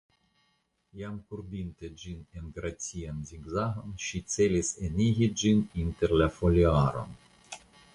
Jam kurbinte ĝin en gracian zigzagon ŝi celis enigi ĝin inter la foliaron.